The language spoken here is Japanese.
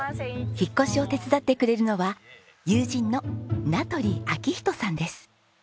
引っ越しを手伝ってくれるのは友人の名執昭仁さんです。